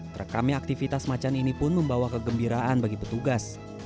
terekamnya aktivitas macan ini pun membawa kegembiraan bagi petugas